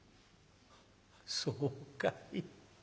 「そうかい。